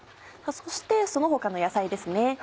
そしてその他の野菜ですね。